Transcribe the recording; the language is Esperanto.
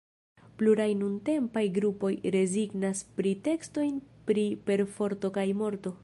Pluraj nuntempaj grupoj rezignas pri tekstoj pri perforto kaj morto.